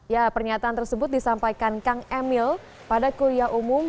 ya pernyataan tersebut disampaikan kang emil pada kuliah umum